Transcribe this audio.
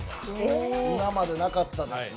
今までなかったですね。